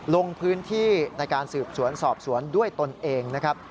ลงพื้นที่ในการสืบสวนสอบสวนด้วยตนเองนะครับ